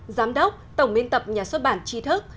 giám đốc tổng miên tập nhà xuất bản chi thức